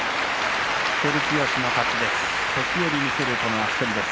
照強の勝ちです。